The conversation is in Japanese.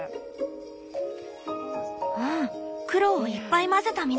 うん黒をいっぱい混ぜた緑。